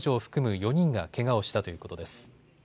４人がけがをしたということです。